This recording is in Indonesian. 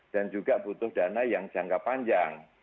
dan juga butuh dana yang jangka panjang